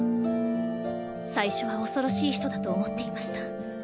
最初は恐ろしい人だと思っていました。